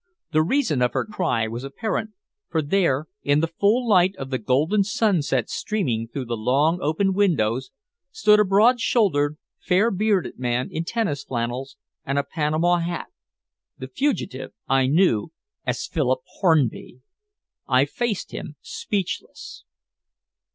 The reason of her cry was apparent, for there, in the full light of the golden sunset streaming through the long open windows, stood a broad shouldered, fair bearded man in tennis flannels and a Panama hat the fugitive I knew as Philip Hornby! I faced him, speechless.